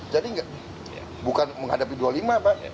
jadi bukan menghadapi dua puluh lima pak